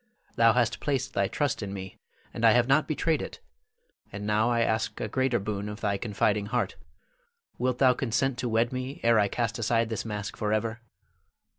Thou hast placed thy trust in me, and I have not betrayed it, and now I ask a greater boon of thy confiding heart. Wilt thou consent to wed me ere I cast aside this mask forever?